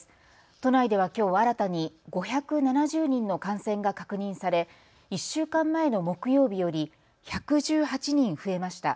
都内ではきょう新たに５７０人の感染が確認され１週間前の木曜日より１１８人増えました。